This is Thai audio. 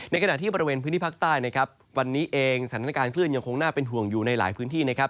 ขณะที่บริเวณพื้นที่ภาคใต้นะครับวันนี้เองสถานการณ์คลื่นยังคงน่าเป็นห่วงอยู่ในหลายพื้นที่นะครับ